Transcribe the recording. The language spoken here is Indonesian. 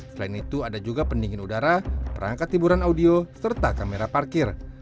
selain itu ada juga pendingin udara perangkat hiburan audio serta kamera parkir